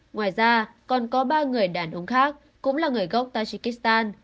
ngoài ra còn có ba người đàn ông khác cũng là người gốc tajikistan